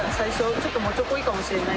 ちょっともちょこいかもしれない。